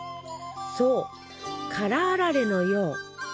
そう「辛あられ」のよう。